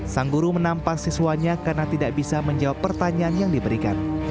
sang guru menampak siswanya karena tidak bisa menjawab pertanyaan yang diberikan